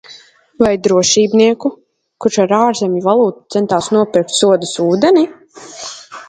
Vai drošībnieku, kurš ar ārzemju valūtu centās nopirkt sodas ūdeni?